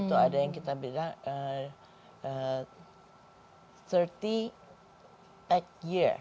itu ada yang kita bilang tiga puluh pack year